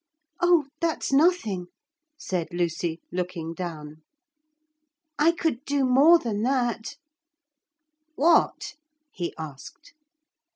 'Oh, that's nothing,' said Lucy, looking down. 'I could do more than that.' 'What?' he asked.